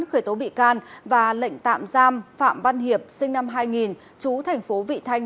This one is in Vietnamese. khởi tố bị can và lệnh tạm giam phạm văn hiệp sinh năm hai nghìn chú thành phố vị thanh